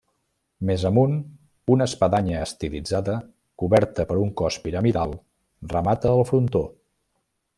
Més amunt, una espadanya estilitzada coberta per un cos piramidal remata el frontó.